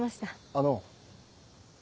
あの。